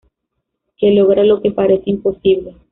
que logra lo que parece imposible